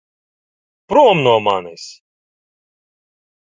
Prom no manis!